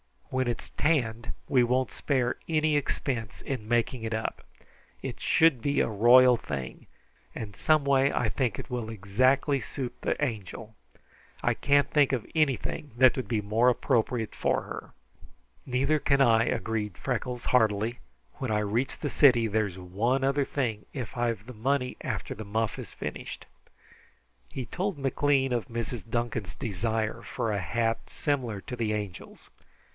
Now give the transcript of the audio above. When it's tanned we won't spare any expense in making it up. It should be a royal thing, and some way I think it will exactly suit the Angel. I can't think of anything that would be more appropriate for her." "Neither can I," agreed Freckles heartily. "When I reach the city there's one other thing, if I've the money after the muff is finished." He told McLean of Mrs. Duncan's desire for a hat similar to the Angel's.